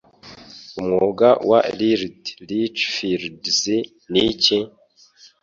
Umwuga wa Lird Lichfields Niki?